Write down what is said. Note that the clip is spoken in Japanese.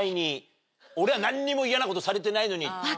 俺は何にもイヤなことされてないのに。